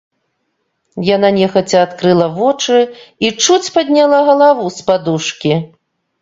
Яна нехаця адкрыла вочы і чуць падняла галаву з падушкі.